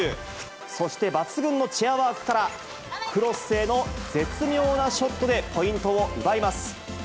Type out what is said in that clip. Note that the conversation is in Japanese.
そして、抜群のチェアワークから、クロスへの絶妙なショットで、ポイントを奪います。